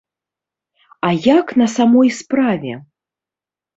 А як на самой справе?